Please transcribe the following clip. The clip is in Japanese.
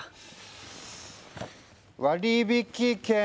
割引券！